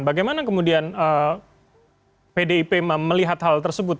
bagaimana kemudian pdip melihat hal tersebut